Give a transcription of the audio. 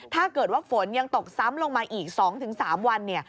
ถ้าเกิดว่าฝนยังตกซ้ำลงมาอีก๒๓วันเนี่ย